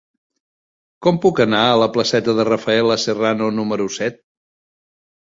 Com puc anar a la placeta de Rafaela Serrano número set?